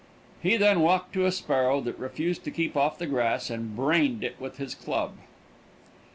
He then walked to a sparrow that refused to keep off the grass and brained it with his club.